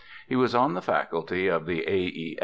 He was on the faculty of the A. E.